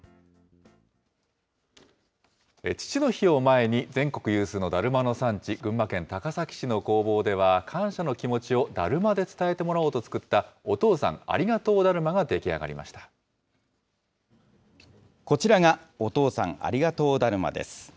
父の日を前に、全国有数のだるまの産地、群馬県高崎市の工房では、感謝の気持ちをだるまで伝えてもらおうと作った、お父さんありがこちらが、お父さんありがとうだるまです。